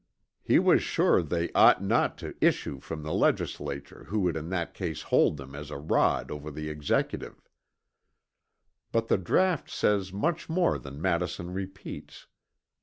"He was sure they ought not to issue from the legislature who would in that case hold them as a rod over the Executive." But the draught says much more than Madison repeats.